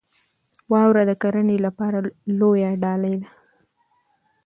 واوره د کرنې لپاره لویه ډالۍ ده.